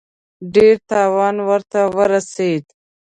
ډېر تاوان ورته ورسېد.